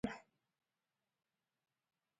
تخت د نیولو لپاره تلاښ پیل کړ.